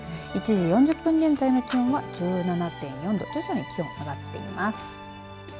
１時４０分現在の気温は１７．４度徐々に気温、上がっています。